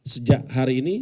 sejak hari ini